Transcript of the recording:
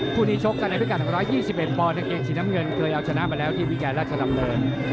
คู่นี้ชกกันในพิกัด๑๒๑ปอนกางเกงสีน้ำเงินเคยเอาชนะมาแล้วที่วิแก่ราชดำเนิน